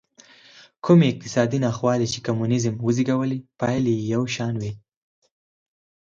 کومې اقتصادي ناخوالې چې کمونېزم وزېږولې پایلې یې یو شان وې.